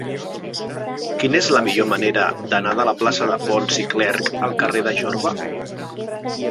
Quina és la millor manera d'anar de la plaça de Pons i Clerch al carrer de Jorba?